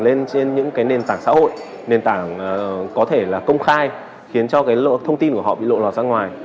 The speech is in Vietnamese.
lên trên những nền tảng xã hội nền tảng có thể là công khai khiến cho thông tin của họ bị lộ lọt ra ngoài